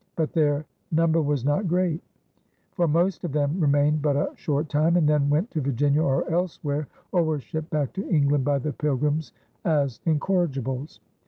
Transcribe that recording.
But their number was not great, for most of them remained but a short time, and then went to Virginia or elsewhere, or were shipped back to England by the Pilgrims as incorrigibles.